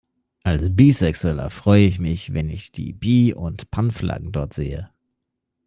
Als Bisexueller freu ich mich, wenn ich die Bi- und Pan-Flaggen dort sehe.